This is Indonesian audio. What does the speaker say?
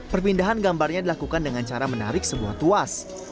perpindahan gambarnya dilakukan dengan cara menarik sebuah tuas